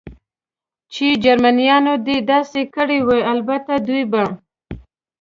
چې جرمنیانو دې داسې کړي وي، البته دوی به.